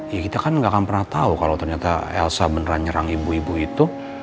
ya kita kan nggak akan pernah tahu kalau ternyata elsa beneran nyerang ibu ibu itu